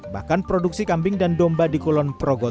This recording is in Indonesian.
bahkan produksi kambing dan domba di kulon progo